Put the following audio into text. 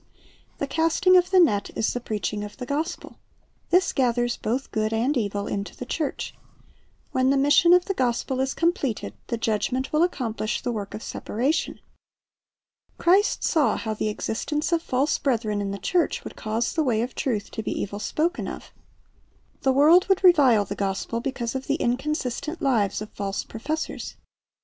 The casting of the net is the preaching of the gospel. This gathers both good and evil into the church. When the mission of the gospel is completed, the Judgment will accomplish the work of separation. Christ saw how the existence of false brethren in the church would cause the way of truth to be evil spoken of The world would revile the gospel because of the inconsistent lives of false professors.